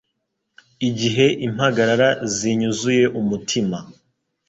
igihe impagarara zinyuzuye umutima